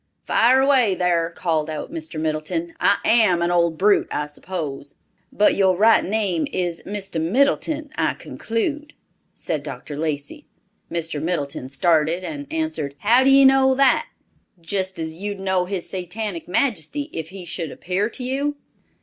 "Fire away thar," called our Mr. Middleton. "I am an old brute, I suppose." "But your right name is Mr. Middleton, I conclude," said Dr. Lacey. Mr. Middleton started and answered, "How d'ye know that? Just as you'd know his satanic majesty, if he should appear to you?"